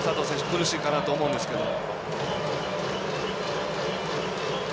苦しいかなと思うんですけど。